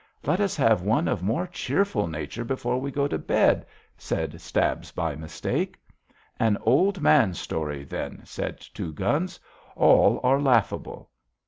Let us have one of more cheerful nature before we go to bed," said Stabs by Mistake. "An Old Man story, then," said Two Guns. "All are laughable."